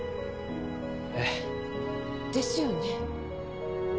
えっ？ですよね。